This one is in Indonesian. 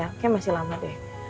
kayaknya masih lama deh